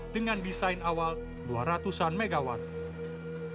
dengan desain awal dua ratus an megawatt